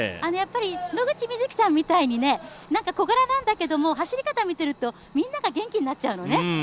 野口みずきさんみたいに小柄なんだけども、走り方を見てると、みんなが元気になっちゃうのね。